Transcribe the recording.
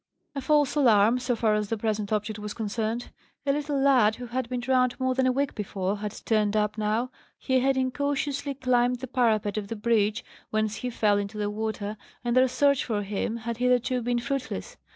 A false alarm, so far as the present object was concerned. A little lad, who had been drowned more than a week before, had turned up now. He had incautiously climbed the parapet of the bridge, whence he fell into the water, and their search for him had hitherto been fruitless.